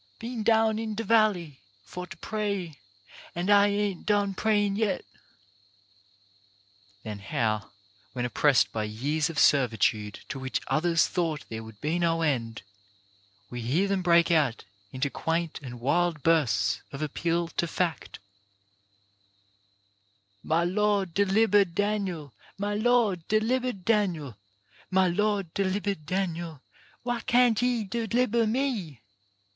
" Been down in de valley, for to pray; An' I ain't done prayin' yet." Then, how, when oppressed by years of servj 7 SING THE OLD SONGS 255 tude to which others thought there would be no end, we hear them break out into quaint and wild bursts of appeal to fact: My Lord delibered Daniel, My Lord delibered Daniel, My Lord delibered Daniel; Why can't He deliber me